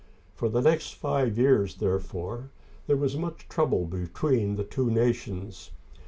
For the next five years, therefore, there was much trouble between the two nations.